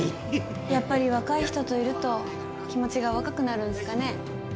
やっぱり若い人といると気持ちが若くなるんすかね？